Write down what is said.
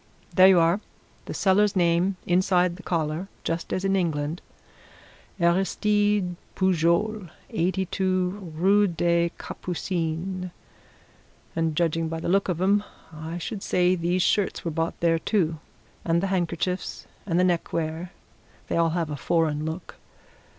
There you are the seller's name, inside the collar, just as in England. Aristide Pujol, 82, Rue des Capucines. And judging by the look of 'em I should say these shirts were bought there, too and the handkerchiefs and the neckwear they all have a foreign look.